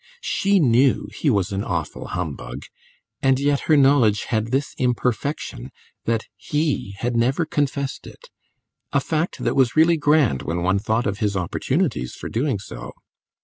She knew he was an awful humbug, and yet her knowledge had this imperfection, that he had never confessed it a fact that was really grand when one thought of his opportunities for doing so.